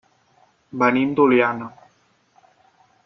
Venim d'Oliana.